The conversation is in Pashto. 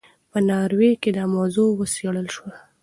په ناروې کې دا موضوع وڅېړل شوه.